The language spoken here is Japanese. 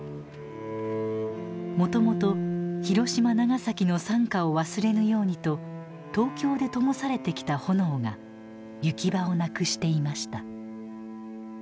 もともと広島長崎の惨禍を忘れぬようにと東京でともされてきた炎が行き場をなくしていました。